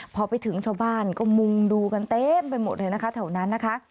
พอไปถึงชาวบ้านก็มุงดูกันเต็มไปหมดเลยนะคะแถวนั้นนะคะ